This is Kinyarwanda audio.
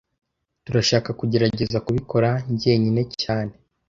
Turashaka kugerageza kubikora njyenyine cyane